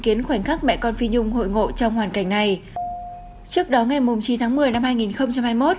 kiến khoảnh khắc mẹ con phi nhung hội ngộ trong hoàn cảnh này trước đó ngày chín tháng một mươi năm hai nghìn hai mươi một